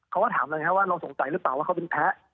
เขาก็ถามเลยครับว่าเราสงสัยหรือเปล่าว่าเขาเป็นแพ้